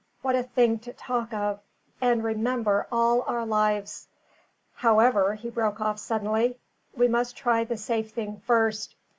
what a thing to talk of, and remember all our lives! However," he broke off suddenly, "we must try the safe thing first.